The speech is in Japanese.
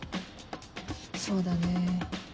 そうだね。